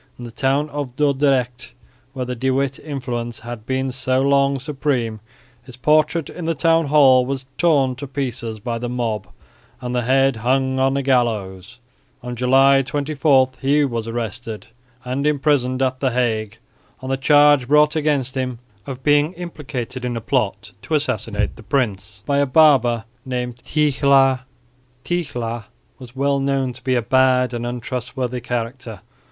In the town of Dordrecht where the De Witt influence had been so long supreme his portrait in the Town hall was torn to pieces by the mob and the head hung on a gallows. On July 24 he was arrested and imprisoned at the Hague on the charge brought against him by a barber named Tichelaer, of being implicated in a plot to assassinate the prince. Tichelaer was well known to be a bad and untrustworthy character.